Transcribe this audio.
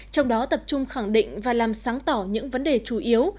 trong đó tập trung khẳng định và làm sáng tỏ những vấn đề chủ yếu